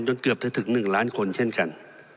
เกือบจะถึง๑ล้านคนเช่นกัน